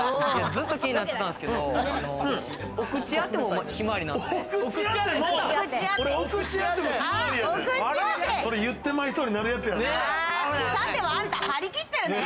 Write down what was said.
ずっと気になってたんですけど、お口あても、ひまわりなんすね。